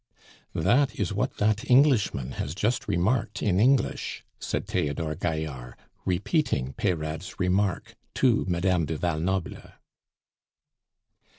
"That is what that Englishman has just remarked in English," said Theodore Gaillard, repeating Peyrade's remark to Madame du Val Noble.